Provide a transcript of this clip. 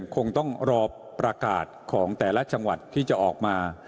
คงต้องรอประกาศของแต่ละจังหวัดที่จะออกมา